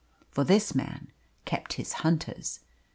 For this man kept his hunters.